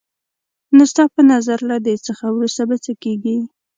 نو ستا په نظر له دې څخه وروسته به څه کېږي؟